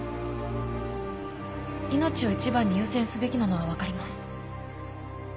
命を一番に優先すべきなのは分かります。